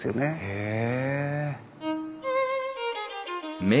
へえ。